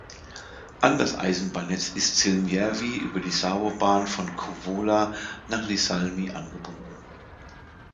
An das Eisenbahnnetz ist Siilinjärvi über die Savo-Bahn von Kouvola nach Iisalmi angebunden.